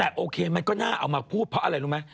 แต่โอเคมันก็น่าเอามาพูดเพราะอะไรรู้ไหม